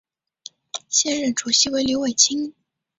现任主席为刘伟清。